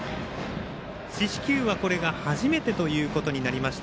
四死球はこれが初めてということになりました。